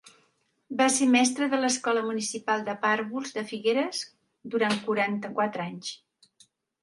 Va ser mestre de l'escola municipal de pàrvuls de Figueres durant quaranta-quatre anys.